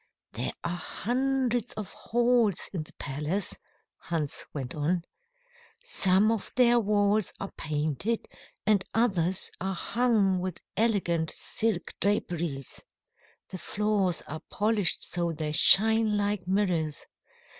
"There are hundreds of halls in the palace," Hans went on. "Some of their walls are painted and others are hung with elegant silk draperies. The floors are polished so they shine like mirrors.